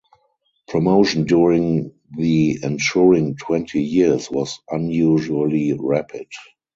Promotion during the ensuring twenty years was unusually rapid.